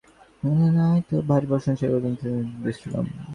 ঠিক তখন শেতশুভ্রের ক্রমাগত ভারী বর্ষণ সেই শব্দকে স্তিমিত করে দিচ্ছিল।